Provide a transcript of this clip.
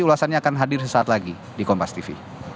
ulasannya akan hadir sesaat lagi di kompas tv